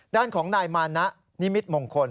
ด้านของนายมานะนิมิตมงคล